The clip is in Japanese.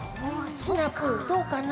シナプーどうかな？